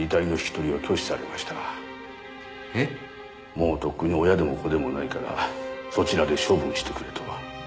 もうとっくに親でも子でもないからそちらで処分してくれと。